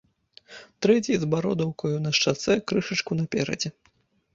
Трэці, з бародаўкаю на шчацэ, крышачку наперадзе.